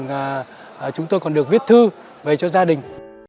và chúng tôi còn được viết thư về cho gia đình